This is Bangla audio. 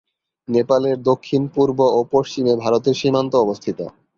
নেপালের দক্ষিণ, পূর্ব ও পশ্চিমে ভারতের সীমান্ত অবস্থিত।